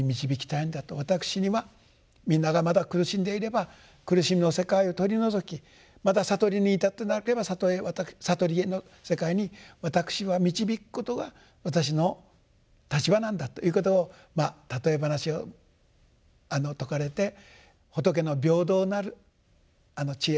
私にはみんながまだ苦しんでいれば苦しみの世界を取り除きまだ悟りに至ってなければ悟りへの世界に私は導くことが私の立場なんだということを譬え話を説かれて仏の平等なる智慧と慈悲。